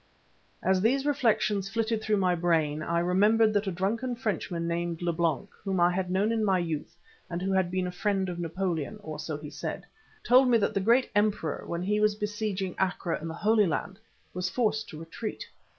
As these reflections flitted through my brain I remembered that a drunken Frenchman named Leblanc, whom I had known in my youth and who had been a friend of Napoleon, or so he said, told me that the great emperor when he was besieging Acre in the Holy Land, was forced to retreat.